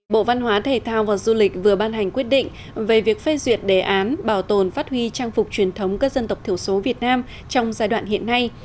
bộ văn hóa thể thao và du lịch vừa ban hành quyết định về việc phê duyệt đề án bảo tồn phát huy trang phục truyền thống các dân tộc thiểu số việt nam trong giai đoạn hiện nay